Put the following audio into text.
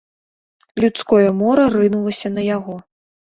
Людское мора рынулася на яго.